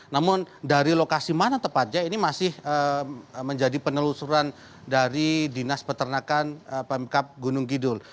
namun dari lokasi mana tepatnya ini masih menjadi penelusuran dari dinas peternakan pemkap gunung kidul